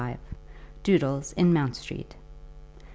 DOODLES IN MOUNT STREET.